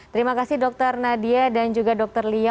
terima kasih dokter nadia dan juga dokter li ya